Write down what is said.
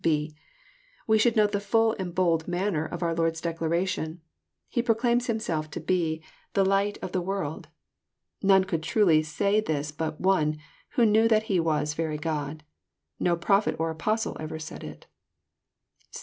(5) We should note the full and bold manner of our Lord's declaration. He proclaims Himself to be <*the light of the JOHN, CHAP. Tm. 81 world." Kone conld truly say this but One, who knew that He was very God. No Prophet or Apostle ever said it.